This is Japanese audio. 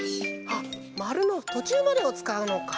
あっまるのとちゅうまでをつかうのか。